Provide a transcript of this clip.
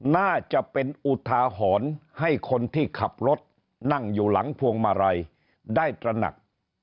น่าจะเป็นอุทาหรณ์ให้คนที่ขับรถนั่งอยู่หลังพวงมาลัยได้ตระหนัก